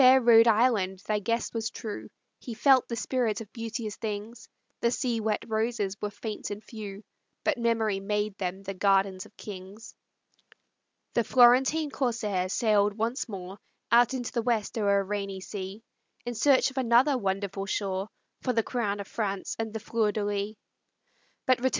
O fair Rhode Island, thy guest was true, He felt the spirit of beauteous things; The sea wet roses were faint and few, But memory made them the gardens of kings. The Florentine corsair sailed once more, Out into the West o'er a rainy sea, In search of another wonderful shore For the crown of France and the Fleur de lis.